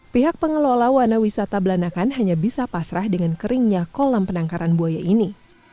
pihak pengelola wahana wisata belanakan hanya bisa pasrah dengan keringnya kolam penangkaran buaya ini